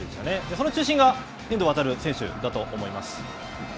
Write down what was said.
その中心が遠藤航選手だと思います。